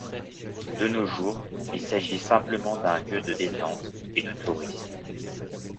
De nos jours, il s'agit simplement d'un lieu de détente et de tourisme.